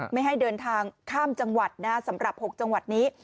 ไม่ให้เดินทางข้ามจังหวัดนะสำหรับ๖จังหวัดนี้